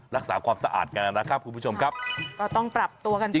รักษาความสะอาดกันนะครับคุณผู้ชมครับก็ต้องปรับตัวกันต่อ